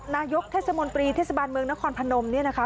นายกเทศมนตรีเทศบาลเมืองนครพนมเนี่ยนะคะ